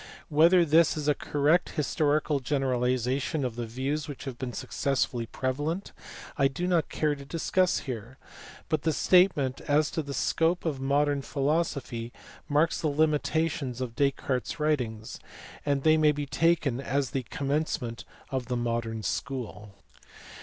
Whether this is a correct historical generalization of the views which have been successively prevalent I do not care to discuss here, but the statement as to the scope of modern philosophy marks the limitations of Descartes s writings, and these may be taken as the commencement of the modern school.